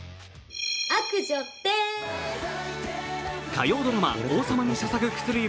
火曜ドラマ「王様に捧ぐ薬指」